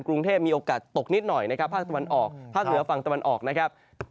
กรุงเทพมีโอกาสตกนิดหน่อยนะครับภาคตะวันออกภาคเหนือฝั่งตะวันออกนะครับ